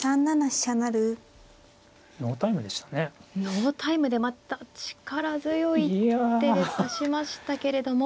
ノータイムでまた力強い手で指しましたけれども。